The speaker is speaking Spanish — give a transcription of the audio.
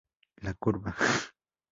La Curva.